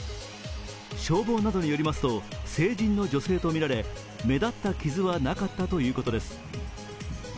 消防などによりますと成人の女性とみられ目立った傷はなかったということです。